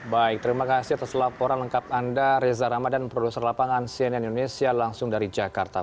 baik terima kasih atas laporan lengkap anda reza ramadan produser lapangan cnn indonesia langsung dari jakarta